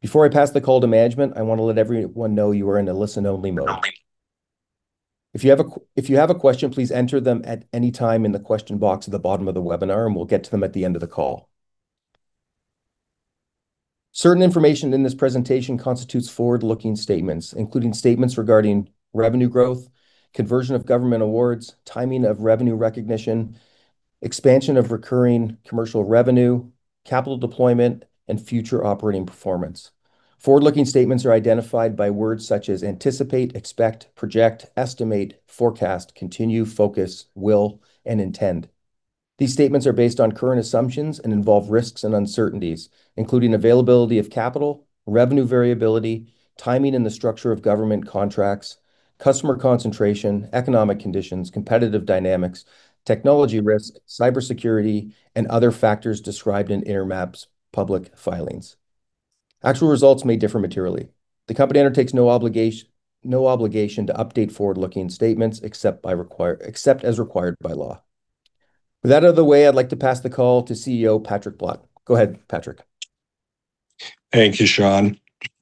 Before I pass the call to management, I wanna let everyone know you are in a listen-only mode. If you have a question, please enter them at any time in the question box at the bottom of the webinar, and we'll get to them at the end of the call. Certain information in this presentation constitutes forward-looking statements, including statements regarding revenue growth, conversion of government awards, timing of revenue recognition, expansion of recurring commercial revenue, capital deployment, and future operating performance. Forward-looking statements are identified by words such as anticipate, expect, project, estimate, forecast, continue, focus, will, and intend. These statements are based on current assumptions and involve risks and uncertainties, including availability of capital, revenue variability, timing and the structure of government contracts, customer concentration, economic conditions, competitive dynamics, technology risk, cybersecurity, and other factors described in Intermap's public filings. Actual results may differ materially. The company undertakes no obligation to update forward-looking statements except as required by law. With that out of the way, I'd like to pass the call to CEO Patrick Blott. Go ahead, Patrick. Thank you, Sean.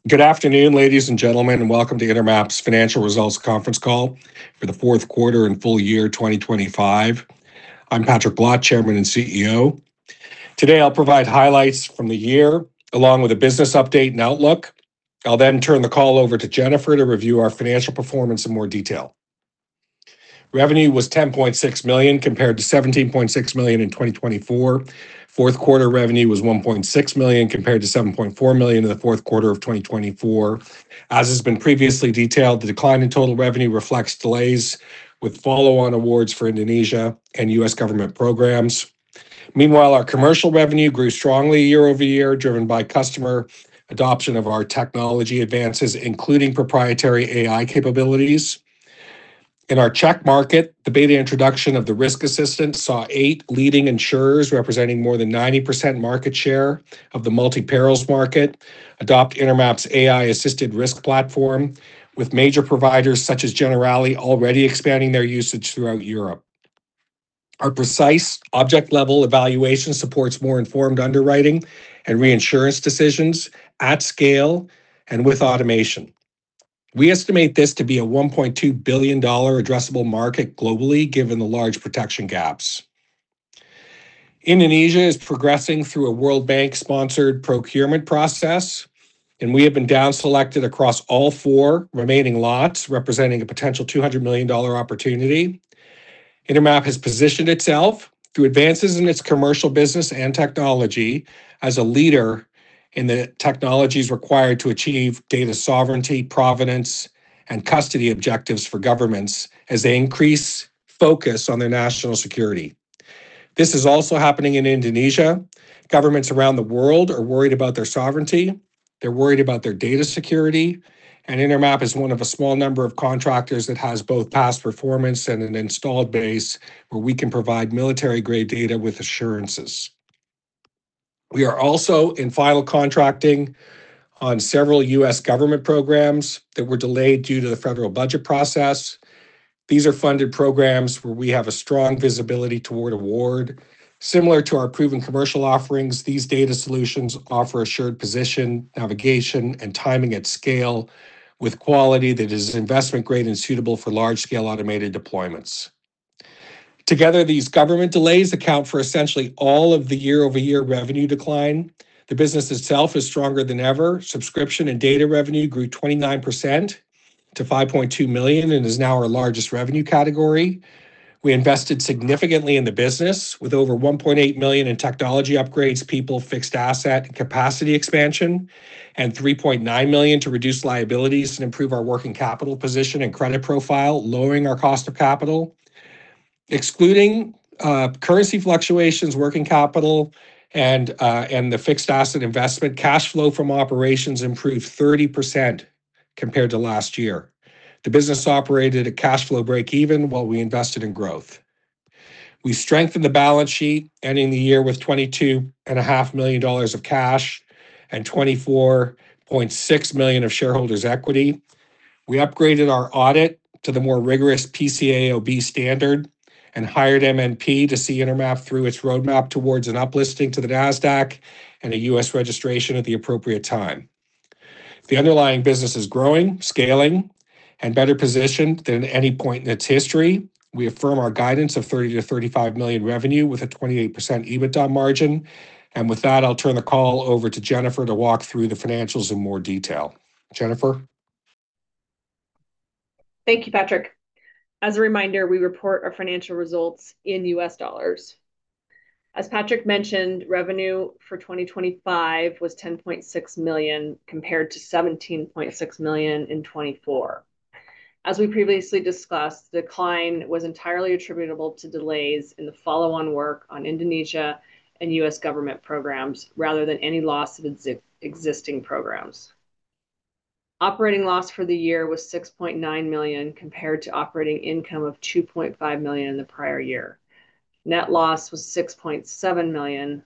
Good afternoon, ladies and gentlemen, and welcome to Intermap's Financial Results Conference Call for the fourth quarter and full year 2025. I'm Patrick Blott, Chairman and CEO. Today, I'll provide highlights from the year, along with a business update and outlook. I'll then turn the call over to Jennifer to review our financial performance in more detail. Revenue was $10.6 million compared to $17.6 million in 2024. Fourth quarter revenue was $1.6 million compared to $7.4 million in the fourth quarter of 2024. As has been previously detailed, the decline in total revenue reflects delays with follow-on awards for Indonesia and U.S. government programs. Meanwhile, our commercial revenue grew strongly year-over-year, driven by customer adoption of our technology advances, including proprietary AI capabilities. In our Czech market, the beta introduction of the Risk Assistant saw eight leading insurers representing more than 90% market share of the multi-peril market adopt Intermap's AI-assisted risk platform, with major providers such as Generali already expanding their usage throughout Europe. Our precise object-level evaluation supports more informed underwriting and reinsurance decisions at scale and with automation. We estimate this to be a $1.2 billion addressable market globally, given the large protection gaps. Indonesia is progressing through a World Bank-sponsored procurement process, and we have been down-selected across all four remaining lots, representing a potential $200 million opportunity. Intermap has positioned itself through advances in its Commercial business and Technology as a leader in the technologies required to achieve data sovereignty, provenance, and custody objectives for governments as they increase focus on their national security. This is also happening in Indonesia. Governments around the world are worried about their sovereignty. They're worried about their data security. Intermap is one of a small number of contractors that has both past performance and an installed base where we can provide military-grade data with assurances. We are also in final contracting on several U.S. government programs that were delayed due to the federal budget process. These are funded programs where we have a strong visibility toward award. Similar to our proven commercial offerings, these data solutions offer assured position, navigation, and timing at scale with quality that is investment-grade and suitable for large-scale automated deployments. Together, these government delays account for essentially all of the year-over-year revenue decline. The business itself is stronger than ever. Subscription and data revenue grew 29% to $5.2 million and is now our largest revenue category. We invested significantly in the business with over $1.8 million in technology upgrades, people, fixed asset, and capacity expansion, and $3.9 million to reduce liabilities and improve our working capital position and credit profile, lowering our cost of capital. Excluding currency fluctuations, working capital, and the fixed asset investment, cash flow from operations improved 30% compared to last year. The business operated at cash flow break even while we invested in growth. We strengthened the balance sheet, ending the year with $22.5 million of cash and $24.6 million of shareholders' equity. We upgraded our audit to the more rigorous PCAOB standard and hired MNP to see Intermap through its roadmap towards an up-listing to the Nasdaq and a U.S. registration at the appropriate time. The underlying business is growing, scaling, and better positioned than any point in its history. We affirm our guidance of $30 million-$35 million revenue with a 28% EBITDA margin. With that, I'll turn the call over to Jennifer to walk through the financials in more detail. Jennifer? Thank you, Patrick. As a reminder, we report our financial results in U.S. dollars. As Patrick mentioned, revenue for 2025 was $10.6 million compared to $17.6 million in 2024. As we previously discussed, decline was entirely attributable to delays in the follow-on work on Indonesia and U.S. government programs rather than any loss of existing programs. Operating loss for the year was $6.9 million compared to operating income of $2.5 million in the prior year. Net loss was $6.7 million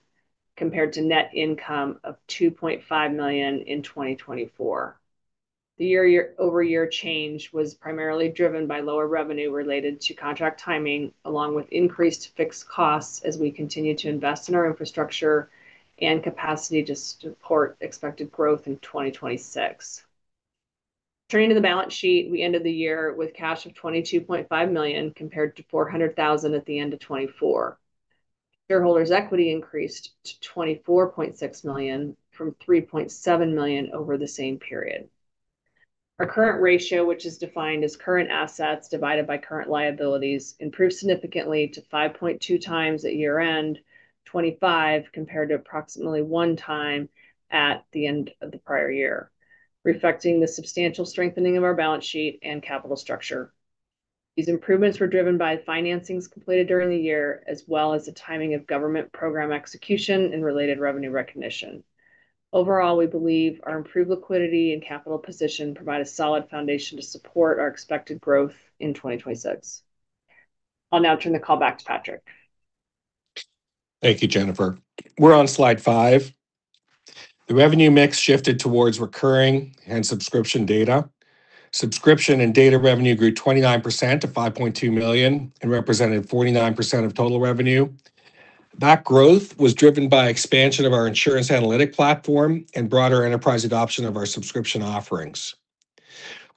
compared to net income of $2.5 million in 2024. The year-over-year change was primarily driven by lower revenue related to contract timing, along with increased fixed costs as we continue to invest in our infrastructure and capacity to support expected growth in 2026. Turning to the balance sheet, we ended the year with cash of $22.5 million, compared to $400,000 at the end of 2024. Shareholders' equity increased to $24.6 million, from $3.7 million over the same period. Our current ratio, which is defined as current assets divided by current liabilities, improved significantly to 5.2 times at year-end 2025, compared to approximately one time at the end of the prior year, reflecting the substantial strengthening of our balance sheet and capital structure. These improvements were driven by financings completed during the year as well as the timing of government program execution and related revenue recognition. Overall, we believe our improved liquidity and capital position provide a solid foundation to support our expected growth in 2026. I'll now turn the call back to Patrick. Thank you, Jennifer. We're on Slide five. The revenue mix shifted towards recurring and subscription data. Subscription and data revenue grew 29% to $5.2 million and represented 49% of total revenue. That growth was driven by expansion of our Insurance Analytic platform and broader enterprise adoption of our Subscription Offerings.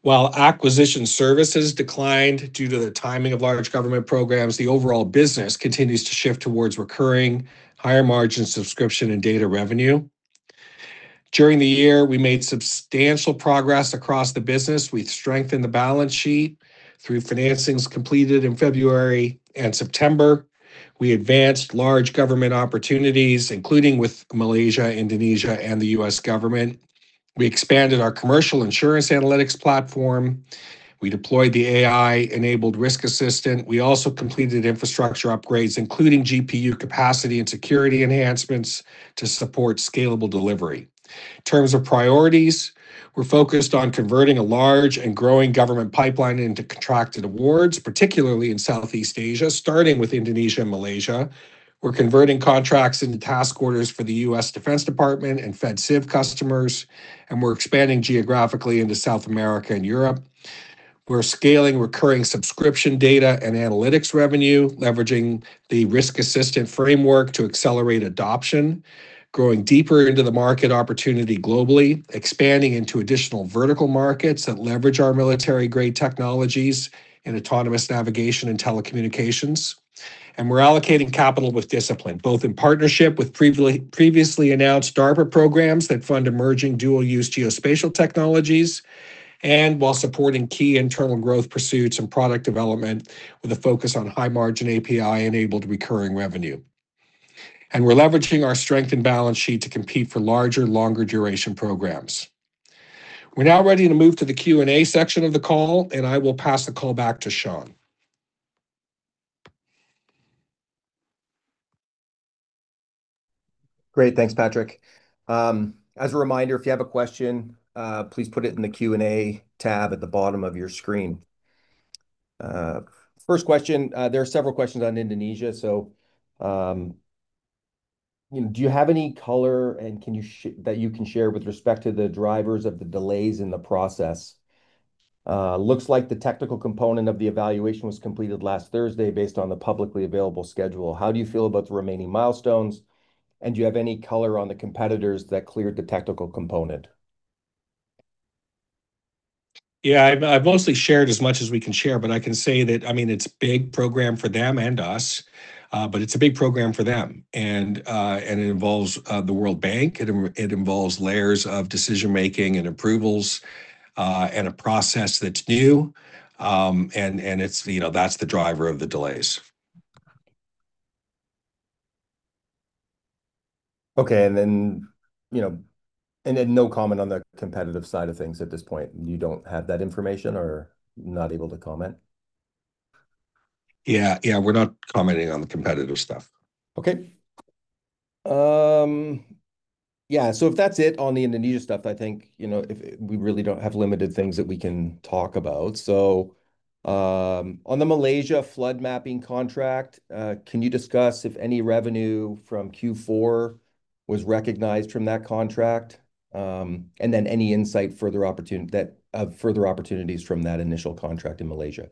While acquisition services declined due to the timing of large government programs, the overall business continues to shift towards recurring higher-margin subscription and data revenue. During the year, we made substantial progress across the business. We strengthened the balance sheet through financings completed in February and September. We advanced large government opportunities, including with Malaysia, Indonesia, and the U.S. government. We expanded our commercial insurance analytics platform. We deployed the AI-enabled Risk Assistant. We also completed infrastructure upgrades, including GPU capacity and security enhancements to support scalable delivery. In terms of priorities, we're focused on converting a large and growing government pipeline into contracted awards, particularly in Southeast Asia, starting with Indonesia and Malaysia. We're converting contracts into task orders for the U.S. Department of Defense and FedCiv customers, and we're expanding geographically into South America and Europe. We're scaling recurring subscription data and analytics revenue, leveraging the Risk Assistant framework to accelerate adoption, growing deeper into the market opportunity globally, expanding into additional vertical markets that leverage our military-grade technologies in autonomous navigation and telecommunications. We're allocating capital with discipline, both in partnership with previously announced DARPA programs that fund emerging dual-use geospatial technologies and while supporting key internal growth pursuits and product development with a focus on high-margin API-enabled recurring revenue. We're leveraging our strength and balance sheet to compete for larger, longer-duration programs. We're now ready to move to the Q&A section of the call, and I will pass the call back to Sean. Great. Thanks, Patrick. As a reminder, if you have a question, please put it in the Q&A tab at the bottom of your screen. First question. There are several questions on Indonesia. Do you have any color that you can share with respect to the drivers of the delays in the process? Looks like the technical component of the evaluation was completed last Thursday based on the publicly available schedule. How do you feel about the remaining milestones? Do you have any color on the competitors that cleared the technical component? Yeah. I've mostly shared as much as we can share, but I can say that, I mean, it's a big program for them and us, but it's a big program for them. It involves the World Bank, layers of decision-making and approvals, and a process that's new. It's, you know, that's the driver of the delays. Okay. You know, and then no comment on the competitive side of things at this point. You don't have that information or not able to comment? Yeah, yeah, we're not commenting on the competitive stuff. Okay. Yeah. If that's it on the Indonesia stuff, I think, you know, we really have limited things that we can talk about. On the Malaysia flood mapping contract, can you discuss if any revenue from Q4 was recognized from that contract? Any insight, further opportunities from that initial contract in Malaysia.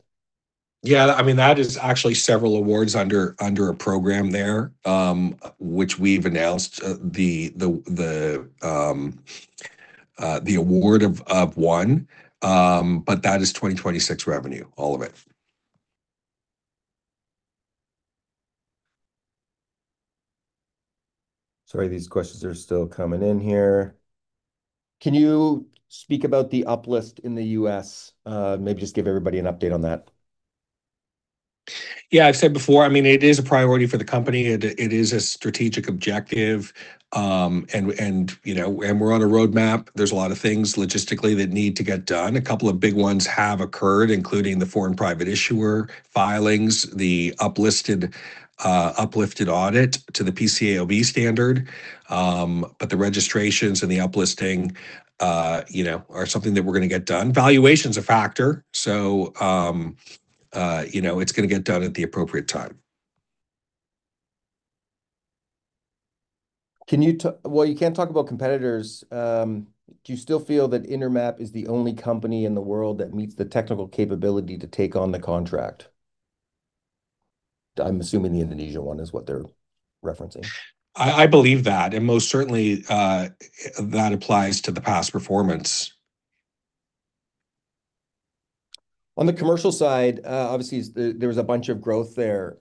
Yeah, I mean, that is actually several awards under a program there, which we've announced, the award of one. That is 2026 revenue, all of it. Sorry, these questions are still coming in here. Can you speak about the uplist in the U.S.? Maybe just give everybody an update on that. Yeah, I've said before, I mean, it is a priority for the company. It is a strategic objective, and you know, and we're on a roadmap. There's a lot of things logistically that need to get done. A couple of big ones have occurred, including the foreign private issuer filings, the uplifted audit to the PCAOB standard. But the registrations and the up-listing, you know, are something that we're gonna get done. Valuation's a factor, so, you know, it's gonna get done at the appropriate time. Well, you can't talk about competitors. Do you still feel that Intermap is the only company in the world that meets the technical capability to take on the contract? I'm assuming the Indonesia one is what they're referencing. I believe that, and most certainly, that applies to the past performance. On the Commercial side, obviously there was a bunch of growth there.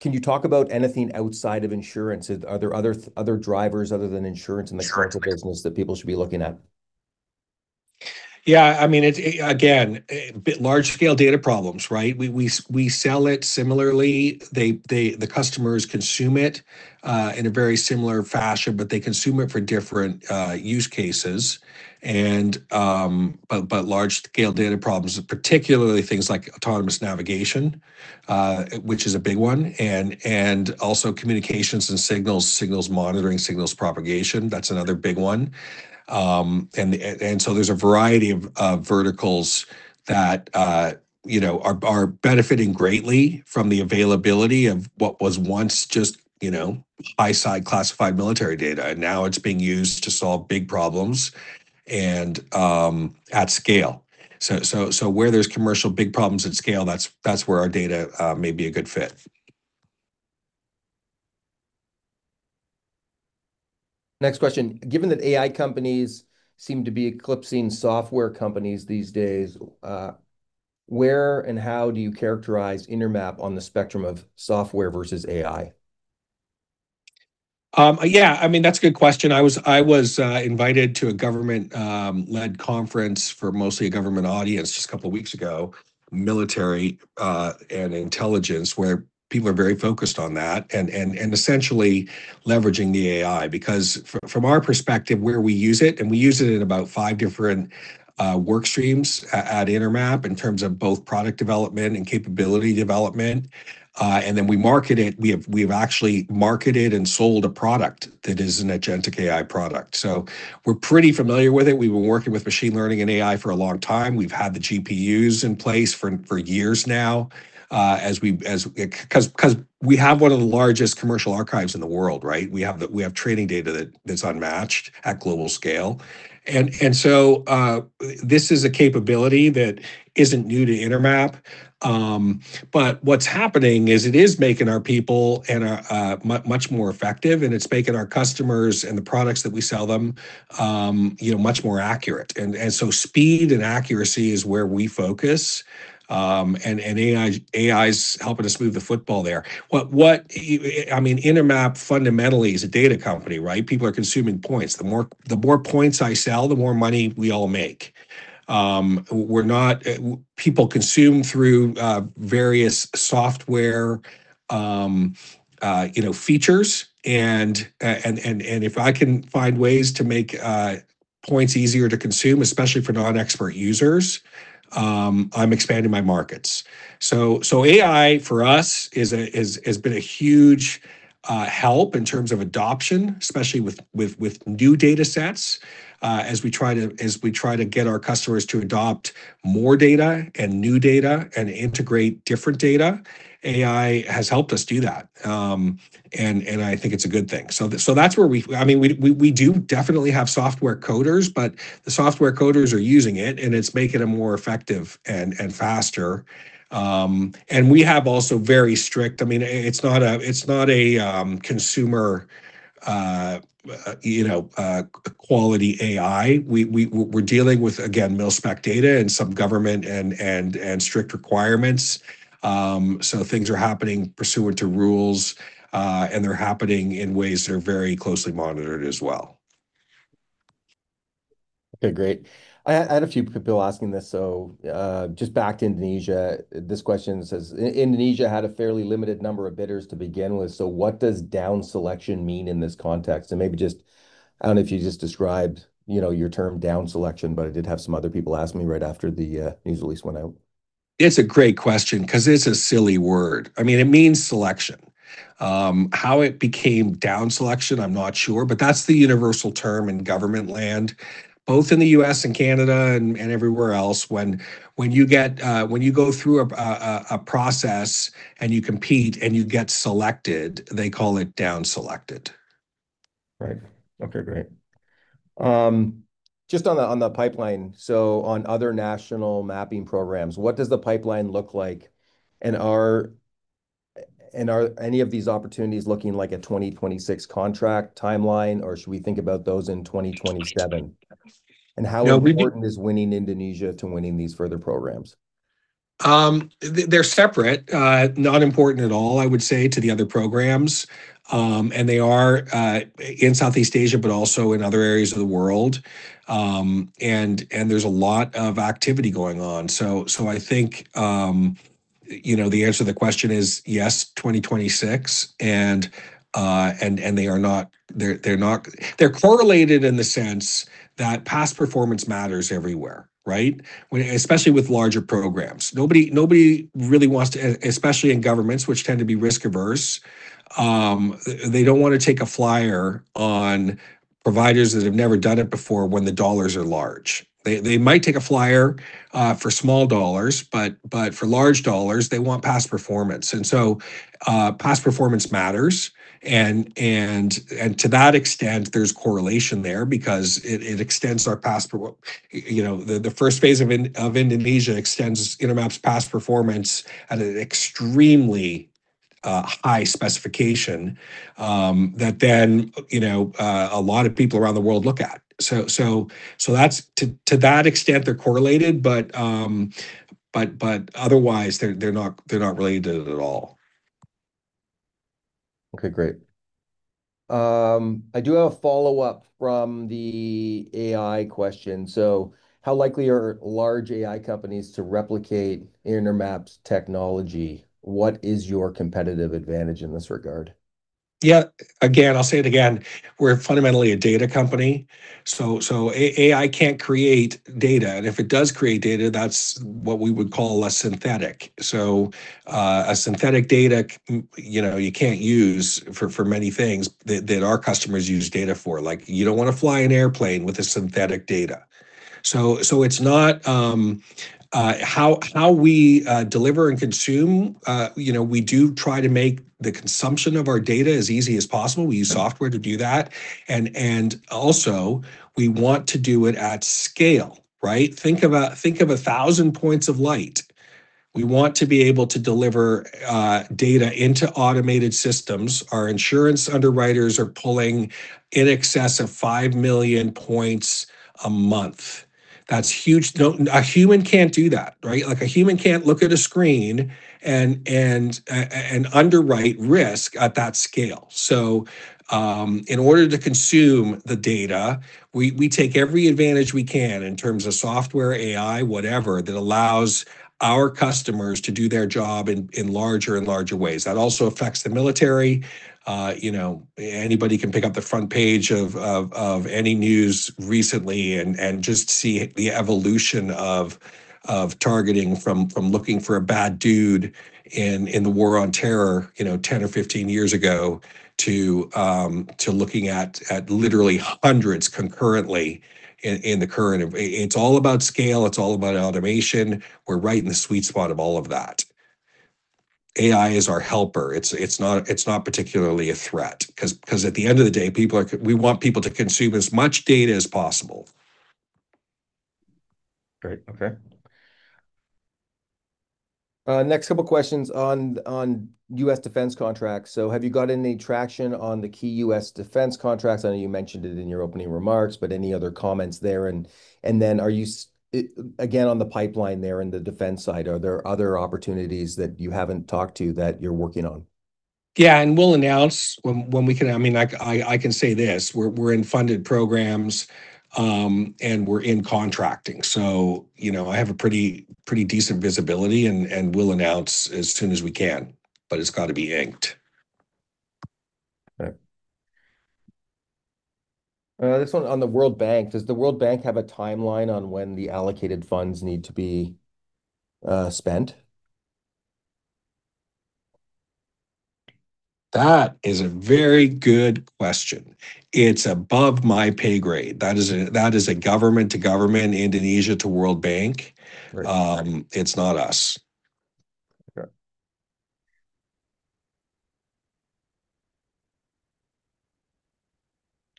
Can you talk about anything outside of Insurance? Are there other drivers other than Insurance in the commercial- Sure business that people should be looking at? Yeah, I mean, again, large scale data problems, right? We sell it similarly. The customers consume it in a very similar fashion, but they consume it for different use cases and but large scale data problems, particularly things like autonomous navigation, which is a big one, and also communications and signals monitoring, signals propagation, that's another big one. And so there's a variety of verticals that you know are benefiting greatly from the availability of what was once just you know high-side classified military data, and now it's being used to solve big problems and at scale. Where there's commercial big problems at scale, that's where our data may be a good fit. Next question. Given that AI companies seem to be eclipsing software companies these days, where and how do you characterize Intermap on the spectrum of software versus AI? Yeah, I mean, that's a good question. I was invited to a government-led conference for mostly a government audience just a couple of weeks ago, military and intelligence, where people are very focused on that and essentially leveraging the AI. Because from our perspective, where we use it, and we use it in about five different work streams at Intermap in terms of both product development and capability development, and then we market it. We have actually marketed and sold a product that is an agentic AI product. So we're pretty familiar with it. We've been working with machine learning and AI for a long time. We've had the GPUs in place for years now. 'Cause we have one of the largest commercial archives in the world, right? We have training data that's unmatched at global scale. This is a capability that isn't new to Intermap. But what's happening is it is making our people and our much more effective, and it's making our customers and the products that we sell them, you know, much more accurate. Speed and accuracy is where we focus, and AI's helping us move the football there. I mean, Intermap fundamentally is a data company, right? People are consuming points. The more points I sell, the more money we all make. People consume through various software, you know, features and if I can find ways to make points easier to consume, especially for non-expert users, I'm expanding my markets. AI for us is been a huge help in terms of adoption, especially with new data sets, as we try to get our customers to adopt more data and new data and integrate different data. AI has helped us do that. I think it's a good thing. That's where we, I mean, we do definitely have software coders, but the software coders are using it, and it's making them more effective and faster. We also have very strict, I mean, it's not a consumer, you know, quality AI. We're dealing with, again, mil-spec data and some government and strict requirements. Things are happening pursuant to rules, and they're happening in ways that are very closely monitored as well. Okay, great. I had a few people asking this, so just back to Indonesia. This question says, Indonesia had a fairly limited number of bidders to begin with, so what does down selection mean in this context? Maybe just, I don't know if you just described, you know, your term down selection, but I did have some other people ask me right after the news release went out. It's a great question 'cause it's a silly word. I mean, it means selection. How it became down-select, I'm not sure, but that's the universal term in government land, both in the U.S. and Canada and everywhere else. When you go through a process and you compete and you get selected, they call it down-selected. Right. Okay, great. Just on the pipeline, so on other national mapping programs, what does the pipeline look like? And are any of these opportunities looking like a 2026 contract timeline, or should we think about those in 2027? No, we didn't. How important is winning Indonesia to winning these further programs? They're separate. Not important at all, I would say, to the other programs. They are in Southeast Asia, but also in other areas of the world. There's a lot of activity going on. I think, you know, the answer to the question is yes, 2026, and they're correlated in the sense that past performance matters everywhere, right? Especially with larger programs. Nobody really wants to, especially in governments, which tend to be risk averse. They don't wanna take a flyer on providers that have never done it before when the dollars are large. They might take a flyer for small dollars, but for large dollars, they want past performance. Past performance matters and to that extent there's correlation there because the first phase of Indonesia extends Intermap's past performance at an extremely high specification that then you know a lot of people around the world look at. That's to that extent they're correlated, but otherwise they're not related at all. Okay, great. I do have a follow-up from the AI question. How likely are large AI companies to replicate Intermap's technology? What is your competitive advantage in this regard? Yeah. Again, I'll say it again, we're fundamentally a data company, so AI can't create data, and if it does create data, that's what we would call a synthetic. A synthetic data you know, you can't use for many things that our customers use data for. Like, you don't wanna fly an airplane with a synthetic data. It's not how we deliver and consume you know, we do try to make the consumption of our data as easy as possible, we use software to do that, and also we want to do it at scale, right? Think of 1,000 points of light. We want to be able to deliver data into automated systems. Our Insurance underwriters are pulling in excess of 5 million points a month. That's huge. No, a human can't do that, right? Like, a human can't look at a screen and underwrite risk at that scale. So, in order to consume the data, we take every advantage we can in terms of software, AI, whatever, that allows our customers to do their job in larger and larger ways. That also affects the military. You know, anybody can pick up the front page of any news recently and just see the evolution of targeting from looking for a bad dude in the war on terror, you know, 10 or 15 years ago to looking at literally hundreds concurrently in the current. It's all about scale, it's all about automation. We're right in the sweet spot of all of that. AI is our helper. It's not particularly a threat 'cause at the end of the day, we want people to consume as much data as possible. Great. Okay. Next couple questions on U.S. defense contracts. Have you got any traction on the key U.S. defense contracts? I know you mentioned it in your opening remarks, but any other comments there? Are you again on the pipeline there in the defense side, are there other opportunities that you haven't talked to that you're working on? We'll announce when we can. I mean, I can say this, we're in funded programs and we're in contracting, so you know, I have a pretty decent visibility and we'll announce as soon as we can, but it's gotta be inked. All right. This one on the World Bank. Does the World Bank have a timeline on when the allocated funds need to be spent? That is a very good question. It's above my pay grade. That is a government to government, Indonesia to World Bank. Right. It's not us.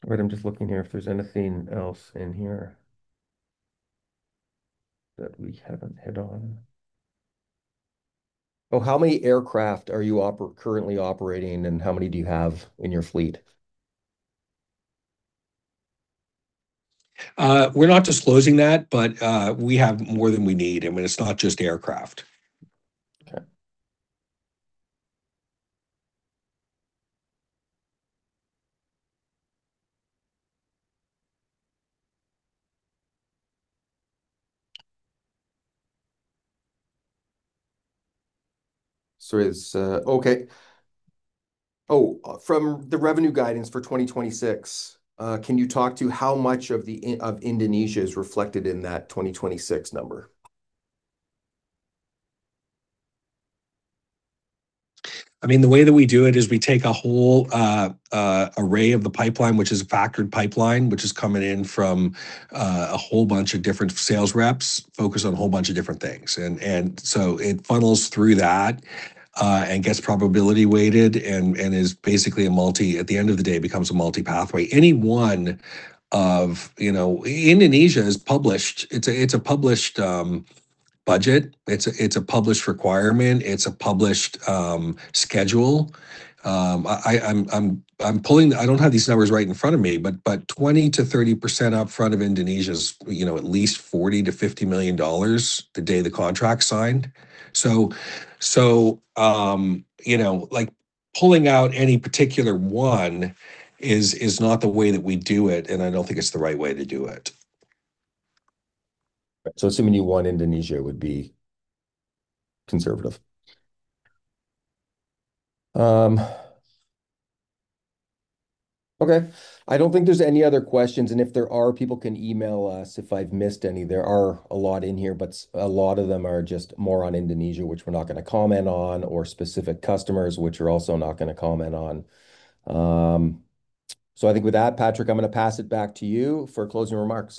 Okay. All right. I'm just looking here if there's anything else in here that we haven't hit on. Oh, how many aircraft are you currently operating, and how many do you have in your fleet? We're not disclosing that, but we have more than we need, and when it's not just aircraft. From the revenue guidance for 2026, can you talk to how much of Indonesia is reflected in that 2026 number? I mean, the way that we do it is we take a whole array of the pipeline, which is a factored pipeline, which is coming in from a whole bunch of different sales reps, focused on a whole bunch of different things. So it funnels through that and gets probability weighted and is basically a multi-pathway at the end of the day. Any one of, you know, Indonesia is published. It's a published budget. It's a published requirement. It's a published schedule. I don't have these numbers right in front of me, but 20%-30% up front of Indonesia is, you know, at least $40 million-$50 million the day the contract's signed. you know, like, pulling out any particular one is not the way that we do it, and I don't think it's the right way to do it. Assuming you won Indonesia would be conservative. Okay. I don't think there's any other questions, and if there are, people can email us if I've missed any. There are a lot in here, but a lot of them are just more on Indonesia, which we're not gonna comment on, or specific customers, which we're also not gonna comment on. I think with that, Patrick, I'm gonna pass it back to you for closing remarks.